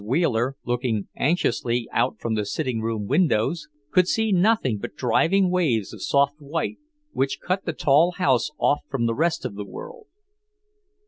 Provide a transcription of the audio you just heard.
Wheeler, looking anxiously out from the sitting room windows, could see nothing but driving waves of soft white, which cut the tall house off from the rest of the world.